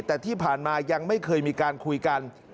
แต่ที่ผ่านมายังไม่เคยมีการคุยกัน